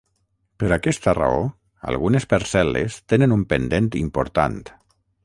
Per aquesta raó, algunes parcel·les tenen un pendent important.